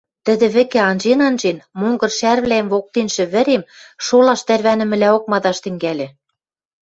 Тӹдӹ вӹкӹ анжен-анжен, монгыр шӓрвлӓэм воктеншӹ вӹрем шолаш тӓрвӓнӹмӹлӓок мадаш тӹнгӓльӹ.